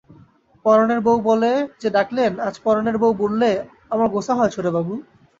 পরাণের বৌ বলে যে ডাকলেন আজ পরাণের বৌ বললে, আমার গোসা হয় ছোটবাবু।